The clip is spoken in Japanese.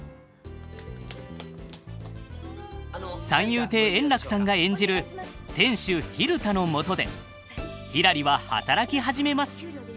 三遊亭円楽さんが演じる店主蛭田のもとでひらりは働き始めます。